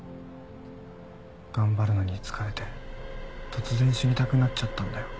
頑張るのに疲れて突然死にたくなっちゃったんだよ。